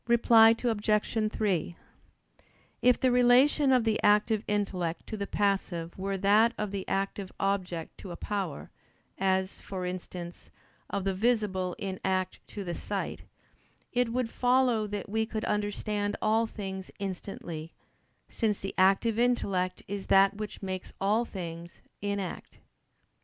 Reply Obj. 3: If the relation of the active intellect to the passive were that of the active object to a power, as, for instance, of the visible in act to the sight; it would follow that we could understand all things instantly, since the active intellect is that which makes all things (in act).